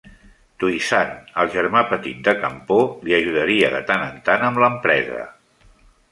Touissant, el germà petit de Campau, li ajudaria de tant en tan amb l'empresa.